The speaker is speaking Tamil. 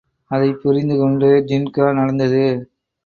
அதைப் புரிந்து கொண்டு ஜின்கா நடந்தது.